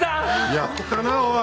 やったなおい！